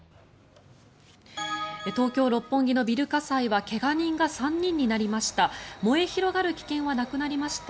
東京・六本木のビル火災は怪我人が３人になりました。